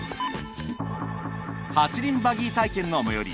８輪バギー体験の最寄り